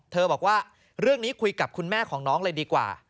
บอกว่าเรื่องนี้คุยกับคุณแม่ของน้องเลยดีกว่า